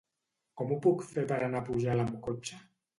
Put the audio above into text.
Com ho puc fer per anar a Pujalt amb cotxe?